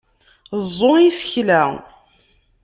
Ẓẓu isekla!